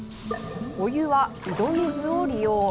お湯は井戸水を利用。